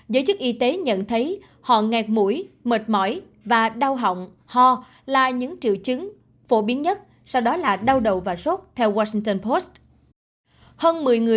giới chức y tế nhận thấy họ nghẹt mũi mệt mỏi và đau hỏng